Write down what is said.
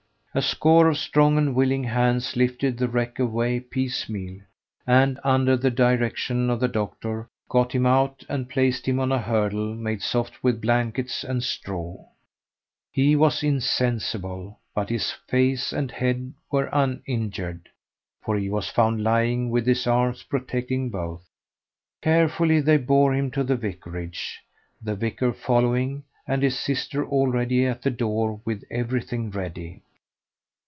A score of strong and willing hands lifted the wreck away piecemeal, and, under the direction of the doctor, got him out and placed him on a hurdle made soft with blankets and straw. He was insensible, but his face and head were uninjured, for he was found lying with his arms protecting both. Carefully they bore him to the vicarage, the vicar following, and his sister already at the door with everything ready.